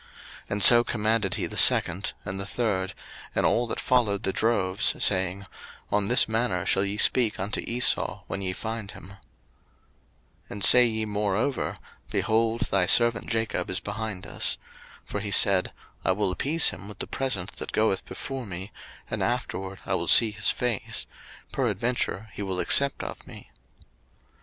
01:032:019 And so commanded he the second, and the third, and all that followed the droves, saying, On this manner shall ye speak unto Esau, when ye find him. 01:032:020 And say ye moreover, Behold, thy servant Jacob is behind us. For he said, I will appease him with the present that goeth before me, and afterward I will see his face; peradventure he will accept of me.